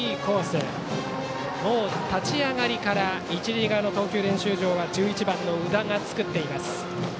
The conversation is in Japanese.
立ち上がりから一塁側の投球練習場は１１番の宇田が作っています。